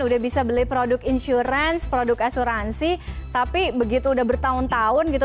udah bisa beli produk insurance produk asuransi tapi begitu udah bertahun tahun gitu